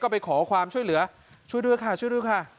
ไปขอความช่วยเหลือช่วยด้วยค่ะช่วยด้วยค่ะ